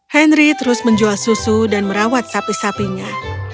henry terus menjual susu dan merawat sapi sapinya